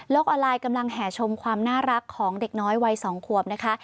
ออนไลน์กำลังแห่ชมความน่ารักของเด็กน้อยวัย๒ขวบนะคะ